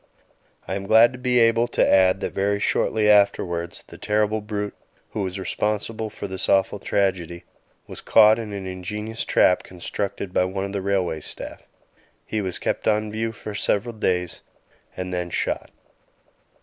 I am glad to be able to add that very shortly afterwards the terrible brute who was responsible for this awful tragedy was caught in an ingenious trap constructed by one of the railway staff. He was kept on view for several days, and then shot.